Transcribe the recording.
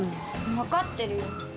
分かってるよ。